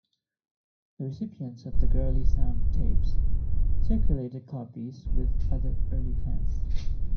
The recipients of the Girly-Sound tapes circulated copies with other early fans.